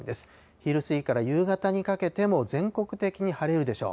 昼過ぎから夕方にかけても全国的に晴れるでしょう。